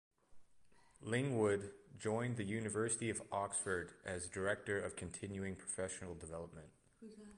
Lingwood joined the University of Oxford as Director of Continuing Professional Development.